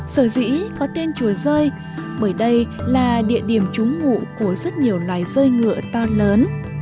sở dĩ có tên chùa rơi bởi đây là địa điểm trúng ngụ của rất nhiều loài rơi ngựa to lớn